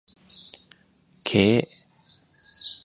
เค้